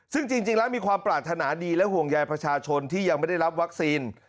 ซึ่งจริงแล้วมีความปรารถนาดีและห่วงใยประชาชนที่ยังไม่ได้รับวัคซีน